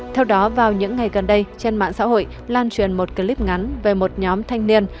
theo đó vào những ngày gần đây trên mạng xã hội lan truyền một clip ngắn về một nhóm thanh niên